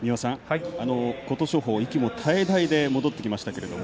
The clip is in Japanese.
琴勝峰、息も絶え絶えで戻ってきました。